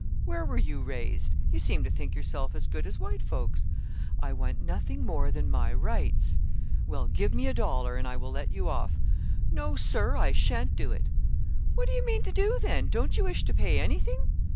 "Where were you raised? You seem to think yourself as good as white folks." "I want nothing more than my rights." "Well, give me a dollar, and I will let you off." "No, sir, I shan't do it." "What do you mean to do then, don't you wish to pay anything?"